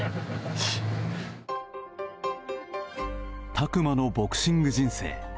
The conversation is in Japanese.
拓真のボクシング人生。